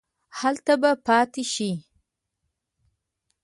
هلته به پاتې شې.